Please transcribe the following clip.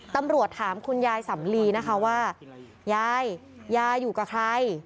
ตำรวจถามคุณยายสำลีนะคะว่ายายยายอยู่กับใคร